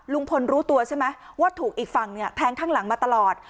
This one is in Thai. ลุงพลรู้ตัวใช่ไหมว่าถูกอีกฝั่งเนี่ยแทงข้างหลังมาตลอด